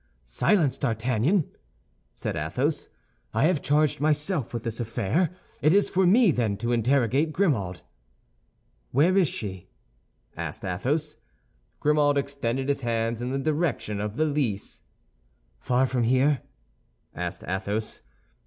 "Silence, D'Artagnan!" said Athos. "I have charged myself with this affair. It is for me, then, to interrogate Grimaud." "Where is she?" asked Athos. Grimaud extended his hands in the direction of the Lys. "Far from here?" asked Athos.